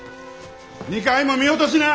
２階も見落としな！